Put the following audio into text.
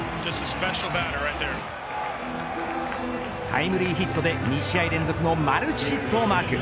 タイムリーヒットで２試合連続のマルチヒットをマーク。